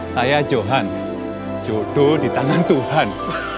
saya johan jodoh di tangan tuhan